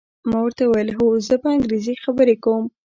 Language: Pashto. ما ورته وویل: هو، زه په انګریزي خبرې کوم.